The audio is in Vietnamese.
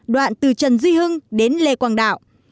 đoạn từ trần duy hưng đến lê quang đạo